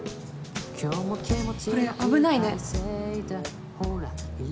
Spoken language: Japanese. これ危ないね。